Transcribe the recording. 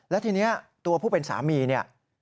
และทีนี้ตัวผู้เป็นสามีเนี่ย